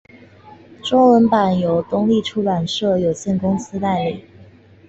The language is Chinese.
中文版由东立出版社有限公司代理。